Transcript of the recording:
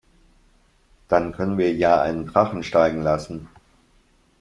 Dann können wir ja einen Drachen steigen lassen.